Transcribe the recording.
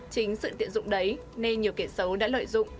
chính sự tiện dụng đấy nên nhiều kẻ xấu đã lợi dụng